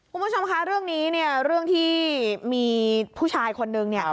คุณผู้ชมคะเรื่องนี้เนี่ยเรื่องที่มีผู้ชายคนนึงเนี่ย